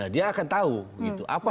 dia akan tahu apa